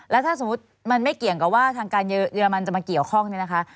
แล้วถ้าสมมุติมันไม่เกี่ยงกับว่าทางการเยอรมันจะมาเกี่ยวข้องเนี่ยนะคะ